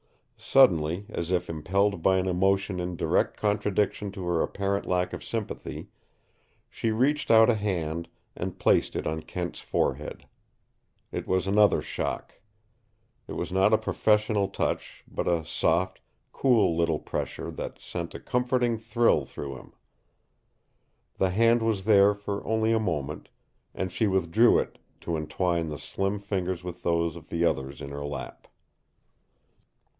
Suddenly, as if impelled by an emotion in direct contradiction to her apparent lack of sympathy, she reached out a hand and placed it on Kent's forehead. It was another shock. It was not a professional touch, but a soft, cool little pressure that sent a comforting thrill through him. The hand was there for only a moment, and she withdrew it to entwine the slim fingers with those of the others in her lap.